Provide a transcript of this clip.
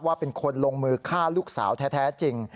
เป็นคนลงมือฆ่าลูกสาวแท้จริง